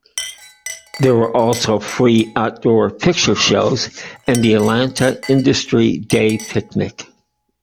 There were also free outdoor "picture shows", and the Atlanta Industry Day Picnic.